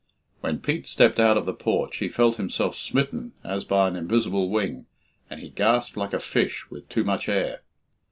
When Pete stepped out of the porch, he felt himself smitten as by an invisible wing, and he gasped like a fish with too much air.